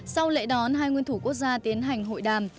sau lễ đón hai nguyên thủ quốc gia tiến hành hội đàm